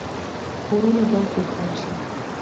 کورونه باید روښانه شي